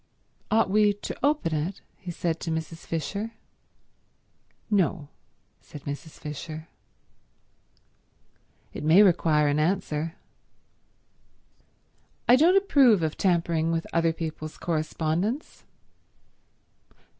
"Ought we to open it?" he said to Mrs. Fisher. "No," said Mrs. Fisher. "It may require an answer." "I don't approve of tampering with other people's correspondence."